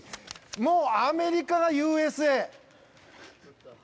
もうアメリカ、ＵＳＡ。